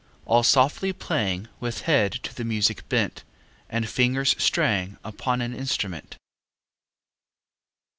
All softly playing, With head to the music bent, And fingers straying Upon an instrument.